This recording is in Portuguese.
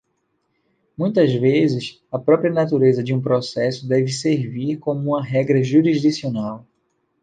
Muitas vezes, a própria natureza de um processo deve servir como uma regra jurisdicional.